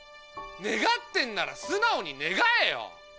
願ってんなら素直に願えよ！